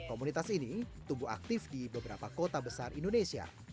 komunitas ini tumbuh aktif di beberapa kota besar indonesia